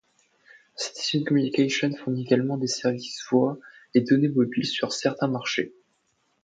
Citizens Communications fournit également des services voix et données mobiles sur certains marchés.